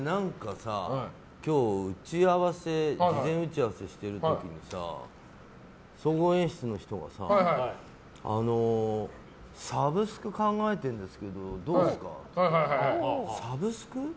今日事前打ち合わせしてる時にさ総合演出の人がサブスク考えているんですけどどうですか？